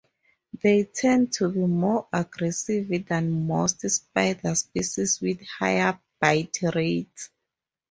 They tend to be more aggressive than most spider species with higher bite rates.